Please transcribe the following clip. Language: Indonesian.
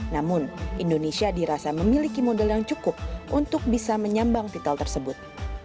namun indonesia dirasa memiliki model yang cukup untuk bisa menyambang titel tersebut